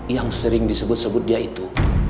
yang sering disebut sebut dia itu